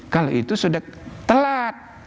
kalau itu sudah telat